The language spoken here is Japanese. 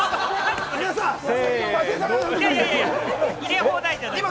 いやいや、入れ放題じゃないから！